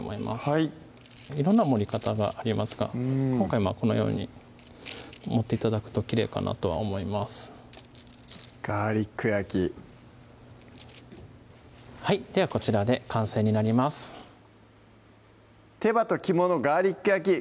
はい色んな盛り方がありますが今回このように盛って頂くときれいかなとは思います「ガーリック焼き」ではこちらで完成になります「手羽と肝のガーリック焼き」